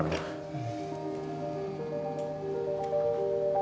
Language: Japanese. うん。